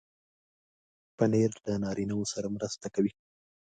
پنېر له نارینو سره مرسته کوي.